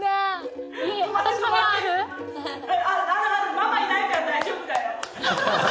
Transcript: ママいないから大丈夫だよ。